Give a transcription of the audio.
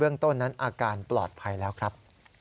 ต้นนั้นอาการปลอดภัยแล้วครับ